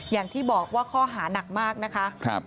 อย่างที่บอกว่าข้อหานักมากนะคะ